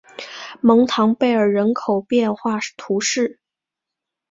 蒙唐贝尔人口变化图示